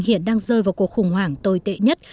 hiện đang rơi vào cuộc khủng hoảng tồi tệ nhất